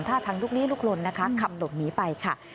ท่าทางลุกลี้ลุกลนนะคะขับหลบหนีไปค่ะ